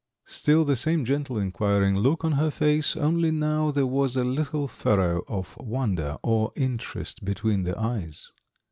Still the same gentle inquiring look on her face, only now there was a little furrow of wonder or interest between the eyes.